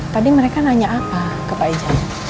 tadi mereka nanya apa ke pak ijang